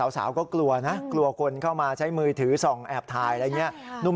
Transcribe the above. สาวก็กลัวนะกลัวคนเข้ามาใช้มือถือส่องแอบถ่ายอะไรอย่างนี้